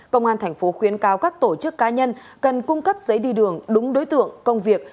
công an thành phố khuyến cao các tổ chức cá nhân cần cung cấp giấy đi đường đúng đối tượng công việc